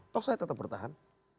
toh saya tetap bertahan